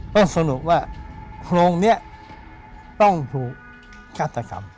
ต้องสรุปว่าโครงนี้ต้องถูกฆาตกรรม